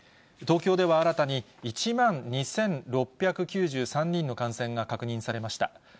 東京では新たに、１万２６９３人の感染が確認されました。